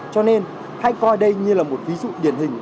cho nên hãy coi đây như là một ví dụ điển hình